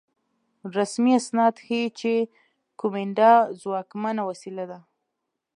رسمي اسناد ښيي چې کومېنډا ځواکمنه وسیله وه.